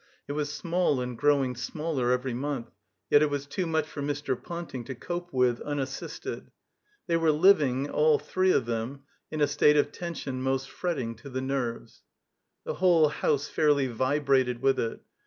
It was small and growing smaller every month, yet it ^as too much for Mr. Ponting to cope with unassisld. They were living, all three of them, in a state of tension most fretting to the nerves. The whole "^ouse fairly vibrated with it.